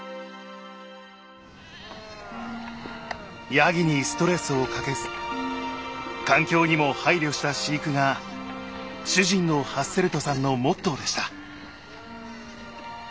やぎにストレスをかけず環境にも配慮した飼育が主人のハッセルトさんのモットーでした。